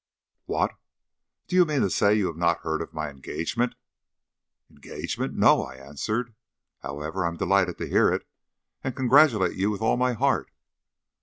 "What! Do you mean to say you have not heard of my engagement?" "Engagement! No!" I answered. "However, I am delighted to hear it, and congratulate you with all my heart."